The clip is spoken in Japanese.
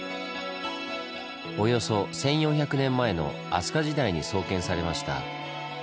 およそ１４００年前の飛鳥時代に創建されました。